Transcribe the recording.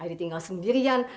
ayah tinggal sendirian